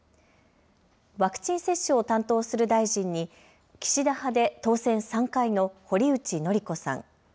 ワクチン接種を担当する大臣に岸田派で当選３回の堀内詔子さん。